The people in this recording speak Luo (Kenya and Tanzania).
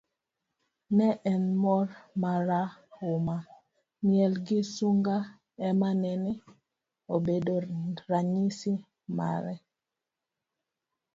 ne en mor marahuma, miel gi sunga ema nene obedo ranyisi mare